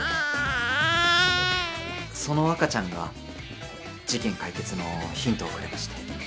・その赤ちゃんが事件解決のヒントをくれまして。